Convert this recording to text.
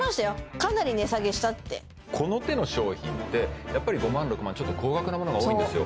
かなり値下げしたってこの手の商品ってやっぱり５万６万ちょっと高額なものが多いんですよ